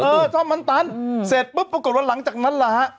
ตู้เอ่อท่อมันตันเสร็จปุ๊บประกวดว่าหลังจากนั้นแหละ